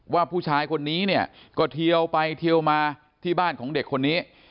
ว่าผู้ชายคนนี้เนี่ยก็เทียวไปเทียวมาที่บ้านของเด็กคนนี้